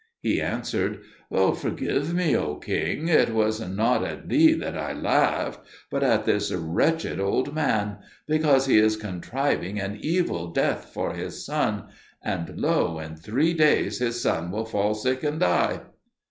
He answered, "Forgive me, O king; it was not at thee that I laughed, but at this wretched old man: because he is contriving an evil death for his son, and, lo! in three days his son will fall sick and die."